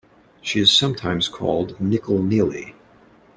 She is sometimes called "Nickel Neelie".